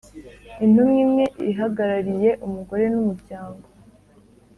intumwa imwe ihagarariye umugore n’umuryango